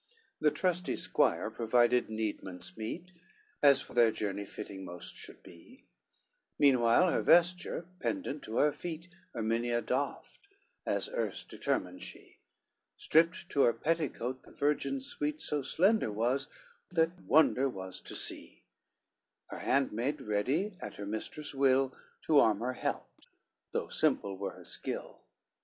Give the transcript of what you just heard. XCI The trusty squire provided needments meet, As for their journey fitting most should be; Meanwhile her vesture, pendant to her feet, Erminia doft, as erst determined she, Stripped to her petticoat the virgin sweet So slender was, that wonder was to see; Her handmaid ready at her mistress' will, To arm her helped, though simple were her skill.